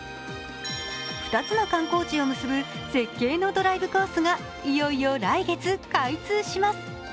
２つの観光地を結ぶ絶景のドライブコースがいよいよ来月、開通します。